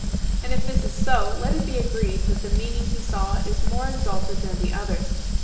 And if this is so, let it be agreed that the meaning he saw is more exalted than the others.